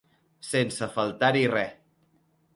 Sense faltar-hi res.